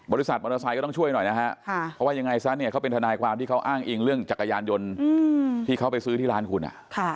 มอเตอร์ไซค์ก็ต้องช่วยหน่อยนะฮะเพราะว่ายังไงซะเนี่ยเขาเป็นทนายความที่เขาอ้างอิงเรื่องจักรยานยนต์ที่เขาไปซื้อที่ร้านคุณอ่ะ